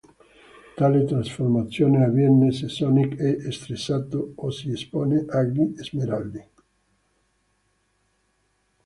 Tale trasformazione avviene se Sonic è stressato o si espone agli Smeraldi.